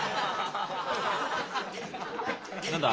何だ？